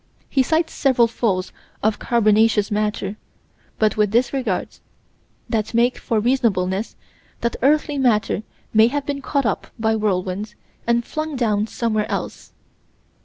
He cites several falls of carbonaceous matter, but with disregards that make for reasonableness that earthy matter may have been caught up by whirlwinds and flung down somewhere else.